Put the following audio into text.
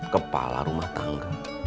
kepala rumah tangga